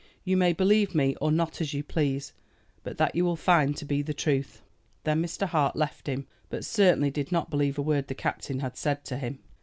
You may believe me or not as you please; but that you will find to be the truth." Then Mr. Hart left him, but certainly did not believe a word the captain had said to him.